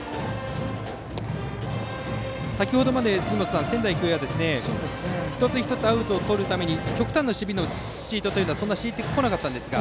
先程まで、仙台育英は一つ一つアウトをとるために極端な守備シフトはそんなに敷いてこなかったんですが。